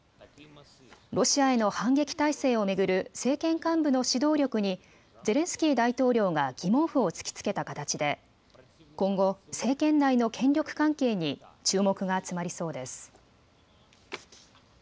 ロシアへの反撃態勢を巡る政権幹部の指導力にゼレンスキー大統領が疑問符を突きつけた形で今後、政権内の権力関係に注目が集まりそうです。